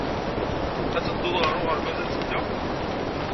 Ad teddud ɣer uɣerbaz azekka?